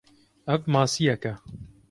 Ev masiyek e.